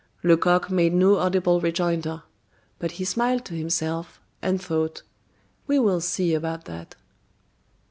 Lecoq made no audible rejoinder; but he smiled to himself and thought: "We will see about that."